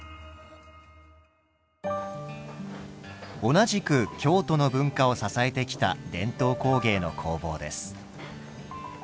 同じく京都の文化を支えてきた伝統工芸の工房です。